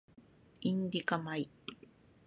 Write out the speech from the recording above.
インディカ米